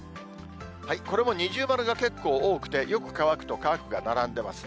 これも二重丸が結構多くて、よく乾くと、乾くが並んでますね。